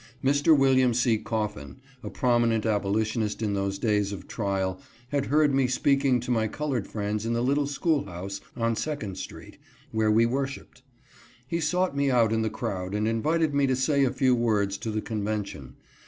Mr. William C. Coffin, a prominent abolitionist in those days of trial, had heard me speaking to my colored friends in the little school house on Second street, where we worshiped. He sought me out in the crowd and invited me to say a few words to the convention.